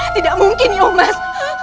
tidak mungkin nyomas